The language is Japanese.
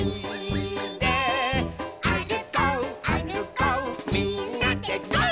「あるこうあるこうみんなでゴー！」